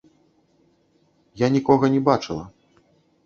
Я нікога не бачыла.